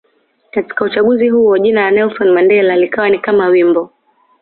Katika uchaguzi huo jina la Nelson Mandela likawa ni kama wimbo